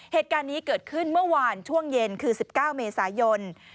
เหตุการณ์นี้เกิดขึ้นเมื่อวานช่วงเย็นคือ๑๙เมษายน